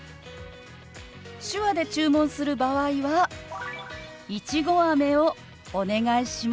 手話で注文する場合は「いちごあめをお願いします」となるわよ。